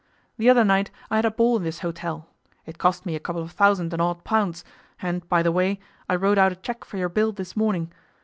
The other night I had a ball in this hotel. It cost me a couple of thousand and odd pounds, and, by the way, I wrote out a cheque for your bill this morning.